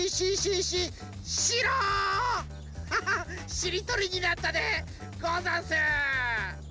しりとりになったでござんす！